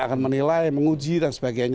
akan menilai menguji dan sebagainya